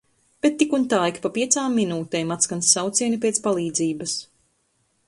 Bet tik un tā ik pa piecām minūtēm atskan saucieni pēc palīdzības!